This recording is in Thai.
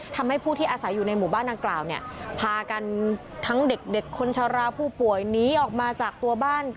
ทำให้ผู้ที่อาศัยอยู่ในหมู่บ้านดังกล่าวเนี่ยพากันทั้งเด็กคนชะลาผู้ป่วยหนีออกมาจากตัวบ้าน